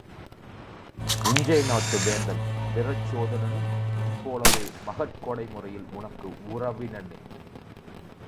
உஞ்சை நாட்டு வேந்தன் பிரச்சோதனனும் என் போலவே மகட் கொடை முறையில் உனக்கு உறவினனே.